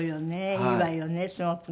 いいわよねすごくね。